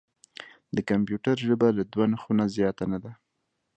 د کمپیوټر ژبه له دوه نښو نه زیاته نه ده.